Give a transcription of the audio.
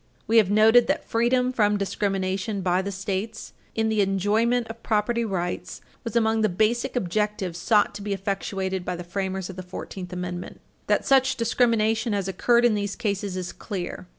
We have noted that freedom from discrimination by the States in the enjoyment of property rights was among the basic objectives sought to be effectuated by the framers of the Fourteenth Amendment. That such discrimination has occurred in these cases is clear.